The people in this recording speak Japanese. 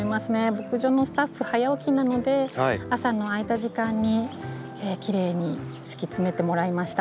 牧場のスタッフ早起きなので朝の空いた時間にきれいに敷き詰めてもらいました。